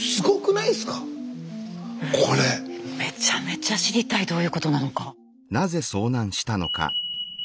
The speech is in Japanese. めちゃめちゃ知りたいどういうことなのか。